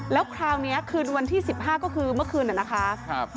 แล้วคราวเนี้ยคืนวันที่สิบห้าก็คือเมื่อคืนน่ะนะคะครับ